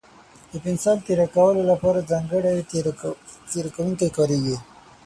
د پنسل تېره کولو لپاره ځانګړی تېره کوونکی کارېږي.